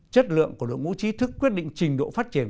chất lượng của đội ngũ trí thức quyết định trình độ phát triển